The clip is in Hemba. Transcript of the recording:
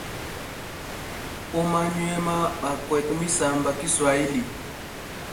Umanywema bakwete mwisamba kiswahili.